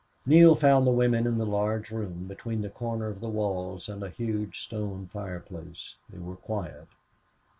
Neale found the women in the large room, between the corner of the walls and a huge stone fireplace. They were quiet.